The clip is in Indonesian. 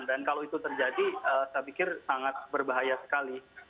dan kalau itu terjadi saya pikir sangat berbahaya sekali